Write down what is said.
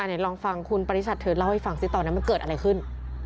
เดี๋ยวลองฟังคุณปริชัดเธอเล่าให้ฟังสิตอนนั้นมันเกิดอะไรขึ้น